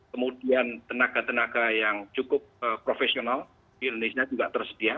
kemudian tenaga tenaga yang cukup profesional di indonesia juga tersedia